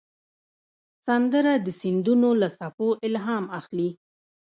سندره د سیندونو له څپو الهام اخلي